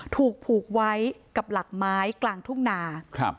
ถูกผูกไว้กับหลักไม้กลางทุ่งนา